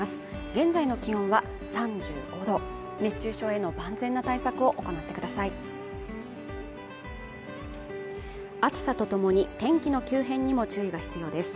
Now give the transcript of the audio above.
現在の気温は３５度熱中症への万全な対策を行ってください暑さとともに天気の急変にも注意が必要です